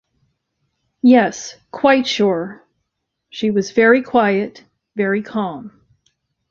“Yes, quite sure.” She was very quiet, very calm.